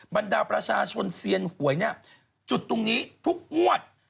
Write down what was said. บรรดาประชาชนเซียนหวยเนี่ยจุดตรงนี้ทุกงวด